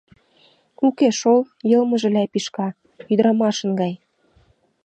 Уке шол, йылмыже ляпишка... ӱдырамашын гай.